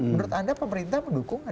menurut anda pemerintah mendukung